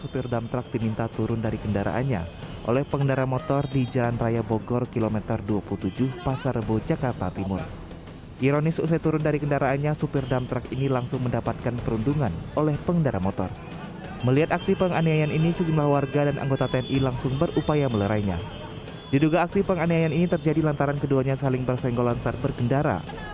perang aneh aneh ini terjadi lantaran keduanya saling bersenggolansar bergendara